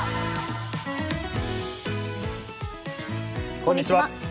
こんにちは。